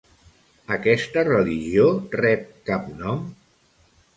Aquesta religió rep cap nom?